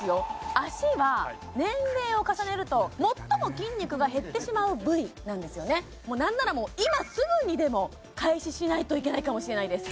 脚は年齢を重ねると最も筋肉が減ってしまう部位なんですよねもうなんならもう今すぐにでも開始しないといけないかもしれないです